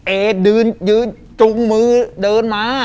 เอดื่นยืนจูงมือเดินมา